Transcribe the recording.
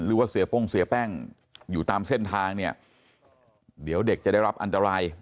หรือว่าเสียโป้งเสียแป้งอยู่ตามเส้นทางเนี่ยเดี๋ยวเด็กจะได้รับอันตราย